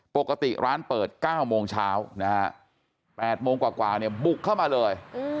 ปกติร้านเปิดเก้าโมงเช้านะฮะแปดโมงกว่ากว่าเนี้ยบุกเข้ามาเลย